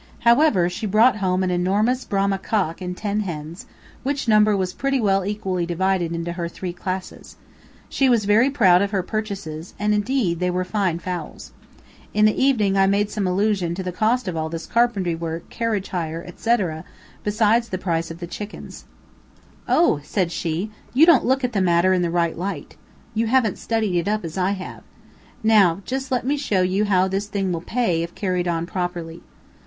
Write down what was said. However, she brought home an enormous Brahma cock and ten hens, which number was pretty equally divided into her three classes. She was very proud of her purchases, and indeed they were fine fowls. In the evening I made some allusion to the cost of all this carpenter work, carriage hire, etc., besides the price of the chickens. "O!" said she, "you don't look at the matter in the right light. You haven't studied it up as I have. Now, just let me show you how this thing will pay, if carried on properly."